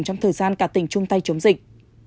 trong thời gian cả tỉnh chung tay chống dịch